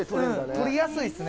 撮りやすいっすね。